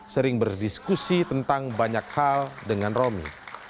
sering berdiskusi tentang banyak hal dengan romi